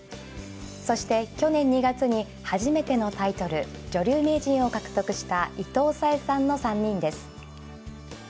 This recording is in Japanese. そして去年２月に初めてのタイトル女流名人を獲得した伊藤沙恵さんの３人です。